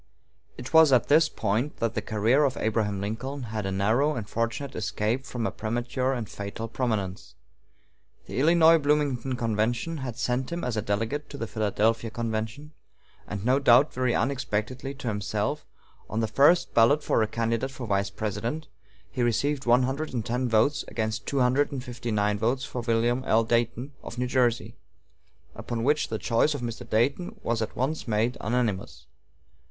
It was at this point that the career of Abraham Lincoln had a narrow and fortunate escape from a premature and fatal prominence. The Illinois Bloomington convention had sent him as a delegate to the Philadelphia convention; and, no doubt very unexpectedly to himself, on the first ballot for a candidate for Vice President he received one hundred and ten votes against two hundred and fifty nine votes for William L. Dayton of New Jersey, upon which the choice of Mr. Dayton was at once made unanimous.